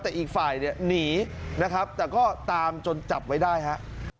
แต่อีกฝ่ายเนี่ยหนีนะครับแต่ก็ตามจนจับไว้ได้ฮะ